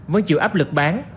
với chịu áp lực bán